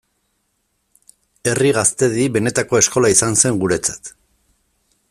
Herri Gaztedi benetako eskola izan zen guretzat.